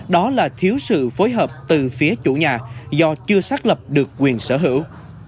đó là thiếu sự phối hợp từ phía chủ nhà do chưa xác lập được quyền sở hữu